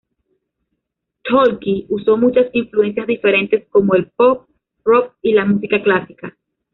Tolkki uso muchas influencias diferentes como el Pop, Rock y la Música Clásica.